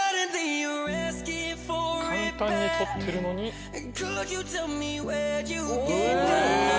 簡単に撮ってるのに。お！